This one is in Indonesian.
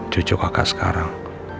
cucu kakak sekarang